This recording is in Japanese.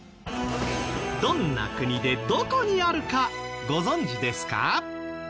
どんな国でどこにあるかご存じですか？